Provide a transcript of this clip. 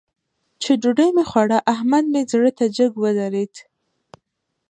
چې ډوډۍ مې خوړه؛ احمد مې زړه ته جګ ودرېد.